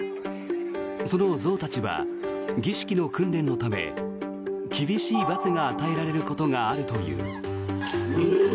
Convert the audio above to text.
その象たちは儀式の訓練のため厳しい罰が与えられることがあるという。